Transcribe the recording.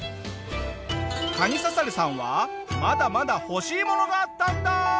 カニササレさんはまだまだ欲しいものがあったんだ。